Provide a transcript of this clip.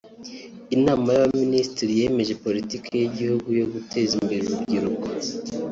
Inama y’Abaminisitiri yemeje Politiki y’Igihugu yo guteza imbere urubyiruko